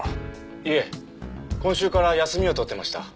いえ今週から休みを取っていました。